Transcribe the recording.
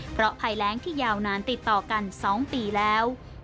เพราะภัยแรงที่ยาวนานติดต่อกัน๒ปีแล้ว